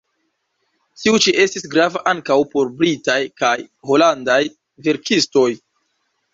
Tiu ĉi estis grava ankaŭ por britaj kaj holandaj verkistoj.